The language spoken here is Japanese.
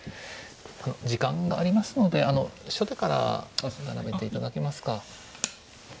時間がありますので初手から並べていただけますか。